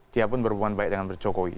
dia pun berhubungan baik dengan jokowi